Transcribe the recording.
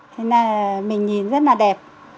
thế là mình nhìn rất là đẹp